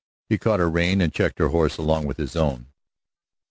He caught her rein and checked her horse along with his own.